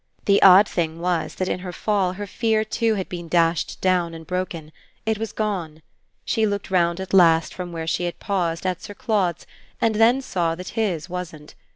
The odd thing was that in her fall her fear too had been dashed down and broken. It was gone. She looked round at last, from where she had paused, at Sir Claude's, and then saw that his wasn't.